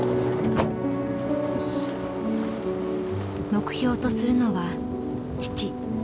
目標とするのは父。